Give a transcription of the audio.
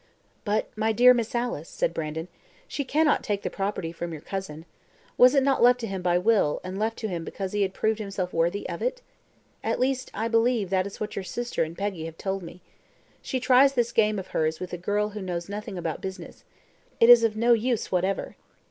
"But, my dear Miss Alice," said Brandon, "she cannot take the property from your cousin. Was it not left to him by will, and left to him because he had proved himself worthy of it? at least, I believe that is what your sister and Peggy have told me. She tries this game of hers with a girl who knows nothing about business. It is of no use whatever."